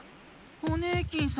ホネーキンさん。